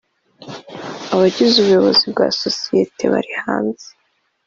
abagize ubuyobozi bwa sosiyete bari hanze